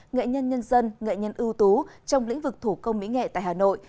nghệ nhân nhân dân nghệ nhân ưu tú trong lĩnh vực thủ công mỹ nghệ tại hà nội